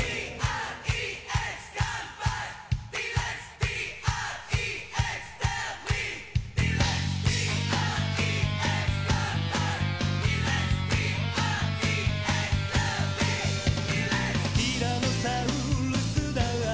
「ティラノサウルスだって」